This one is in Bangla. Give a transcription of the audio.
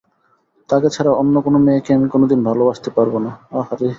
তাকে ছাড়া অন্য কোনো মেয়েকে আমি কোনো দিন ভালোবাসতে পারব না।